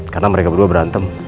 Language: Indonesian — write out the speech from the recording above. karena mereka berdua berantem